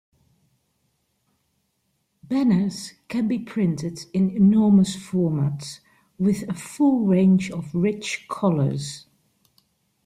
Banners can be printed in enormous formats, with a full range of rich colors.